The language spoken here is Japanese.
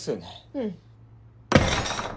うん。